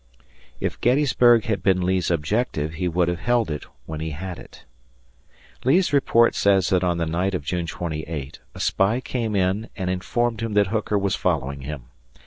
If Gettysburg had been Lee's objective, he would have held it when he had it. Lee's report says that on the night of June 28 a spy came in and informed him that Hooker was following him.